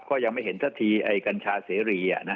ก็ยังไม่เห็นสักทีไอ้กัญชาเสรี